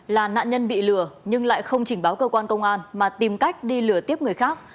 là nạn nhân bị lừa nhưng lại không trình báo cơ quan công an mà tìm cách đi lừa tiếp người khác